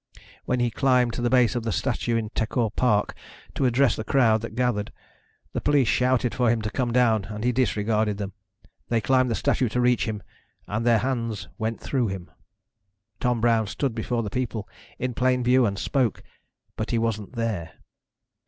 When he climbed to the base of a statue in Techor Park to address the crowd that gathered, the police shouted for him to come down and he disregarded them. They climbed the statue to reach him and their hands went through him. Tom Brown stood before the people, in plain view, and spoke, but he wasn't there!